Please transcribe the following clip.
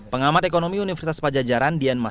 pengamat ekonomi universitas pajajaran dian mas